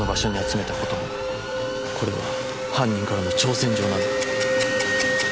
これは犯人からの挑戦状なんだ。